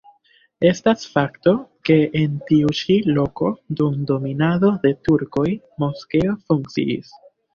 Estas fakto, ke en tiu ĉi loko dum dominado de turkoj moskeo funkciis.